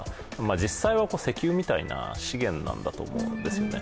実際は石油みたいな資源なんだと思うんですよね。